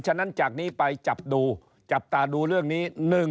ฉะนั้นจากนี้ไปจับดูจับตาดูเรื่องนี้